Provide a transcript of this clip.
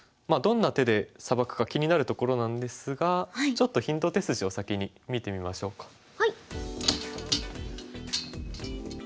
どんな手でサバくか気になるところなんですがちょっとヒント手筋を先に見てみましょうか。